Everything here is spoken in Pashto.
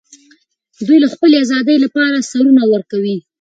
دوی د خپلې ازادۍ لپاره سرونه ورکوي.